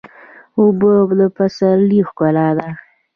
اوبه د پسرلي ښکلا ده.